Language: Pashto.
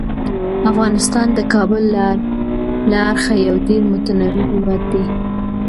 افغانستان د کابل له اړخه یو ډیر متنوع هیواد دی.